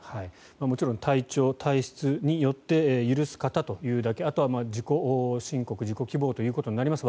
もちろん体調、体質によって許す方というだけあとは自己申告自己希望ということになります。